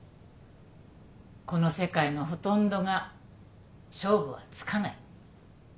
この世界のほとんどが勝負はつかない。